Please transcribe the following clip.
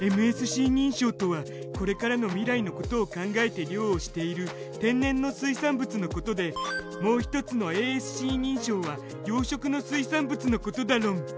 ＭＳＣ認証とはこれからの未来のことを考えて漁をしている天然の水産物のことでもう一つのａｓｃ認証は養殖の水産物のことだろん。